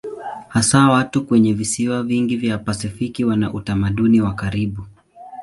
Hasa watu kwenye visiwa vingi vya Pasifiki wana utamaduni wa karibu.